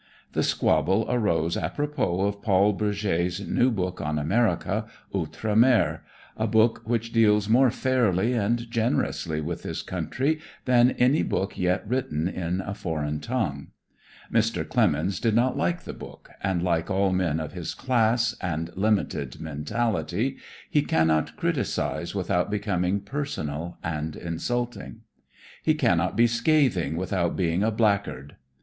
The squabble arose apropos of Paul Bourget's new book on America, "Outre Mer," a book which deals more fairly and generously with this country than any book yet written in a foreign tongue. Mr. Clemens did not like the book, and like all men of his class, and limited mentality, he cannot criticise without becoming personal and insulting. He cannot be scathing without being a blackguard.